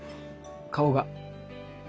顔が。